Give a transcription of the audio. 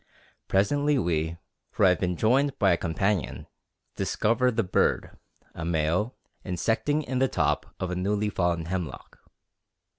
Presently we for I have been joined by a companion discover the bird, a male, insecting in the top of a newly fallen hemlock.